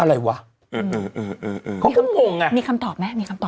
อะไรวะอืมเออเขาก็งงอ่ะมีคำตอบไหมมีคำตอบ